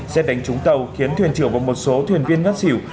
xét đánh trúng tàu khiến thuyền trưởng và một số thuyền viên ngất xỉu